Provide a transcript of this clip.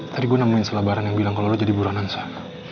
tadi gue nemuin seorang barang yang bilang kalau lo jadi buruanan sah